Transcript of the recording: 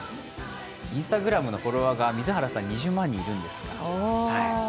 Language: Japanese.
Ｉｎｓｔａｇｒａｍのフォロワーが水原さん２０万人いるんです。